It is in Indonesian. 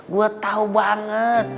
gue tau banget